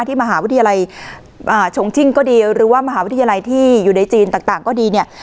ที่มหาวิทยาลัยชงชิ่งก็ดีหรือว่ามหาวิทยาลัยที่อยู่ในจีนต่างก็ดีเนี่ย